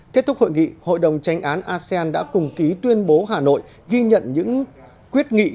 kết thúc hội nghị hội đồng tranh án asean đã cùng ký tuyên bố hà nội ghi nhận những quyết nghị